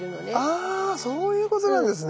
あそういうことなんですね。